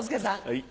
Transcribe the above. はい。